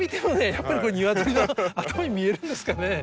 やっぱりこれ鶏の頭に見えるんですかね。